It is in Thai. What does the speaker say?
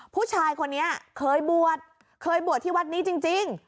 ผู้ชายคนนี้เคยบวชเคยบวชที่วัดนี้จริง